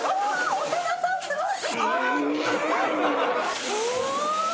長田さんすごい。